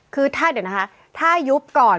คือถ้าเดี๋ยวนะคะถ้ายุบก่อน